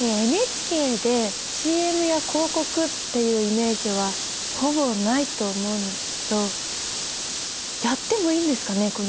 ＮＨＫでＣＭや広告っていうイメージはほぼないと思うんですけどやってもいいんですかね